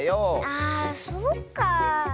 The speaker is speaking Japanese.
あそうかあ。